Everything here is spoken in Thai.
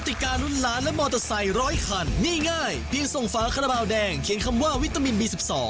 ติการุ้นล้านและมอเตอร์ไซค์๑๐๐คันนี่ง่ายเพียงส่งฝาคาราบาลแดงเขียนคำว่าวิตามินบี๑๒